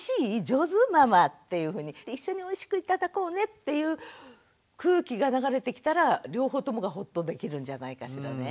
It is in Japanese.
上手？ママ」っていうふうに一緒においしく頂こうねっていう空気が流れてきたら両方ともがほっとできるんじゃないかしらね。